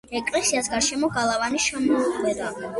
ეკლესიას გარშემო გალავანი შემოუყვება.